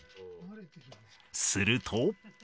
すると。